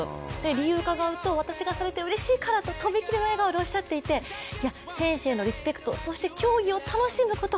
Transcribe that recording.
理由を伺うと、私がされてうれしいからととびきりの笑顔でおっしゃっていて、選手へのリスペクト、そして競技を楽しむこと